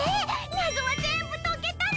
なぞはぜんぶとけたの！